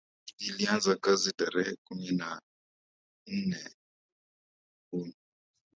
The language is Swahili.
ilianza kazi tarehe kumi na nne juni